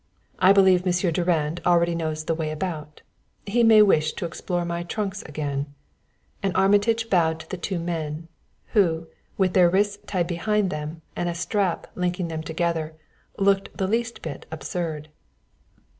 "I believe Monsieur Durand already knows the way about he may wish to explore my trunks again," and Armitage bowed to the two men, who, with their wrists tied behind them and a strap linking them together, looked the least bit absurd.